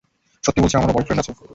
সত্যি বলছি, আমারও বয়ফ্রেন্ড আছে।